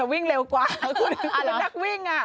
วิ่งเร็วกว่าคุณนึกนักวิ่ง